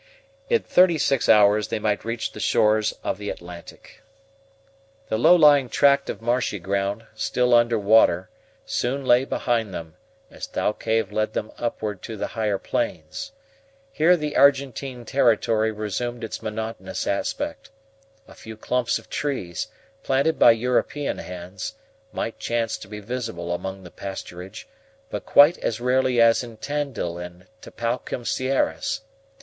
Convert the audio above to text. In thirty six hours they might reach the shores of the Atlantic. The low lying tract of marshy ground, still under water, soon lay behind them, as Thalcave led them upward to the higher plains. Here the Argentine territory resumed its monotonous aspect. A few clumps of trees, planted by European hands, might chance to be visible among the pasturage, but quite as rarely as in Tandil and Tapalquem Sierras.